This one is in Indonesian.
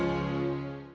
sama intan nanda